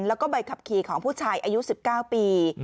แล้วก็ใบขับขี่ของผู้ชายอายุ๑๙ปี